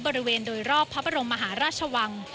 บริเวณโดยรอบพระบรมมหาราชวัง